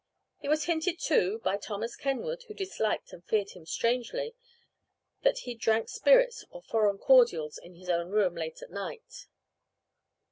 It was hinted too, by Thomas Kenwood, who disliked and feared him strangely, that he drank spirits or foreign cordials in his own room, late at night.